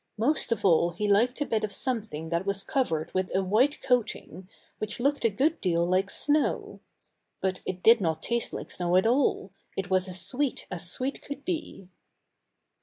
Most of all he liked a bit of something that was covered with a white coating, which looked a good deal like snow. But it did not taste like snow at all; it was as sweet as sweet could be!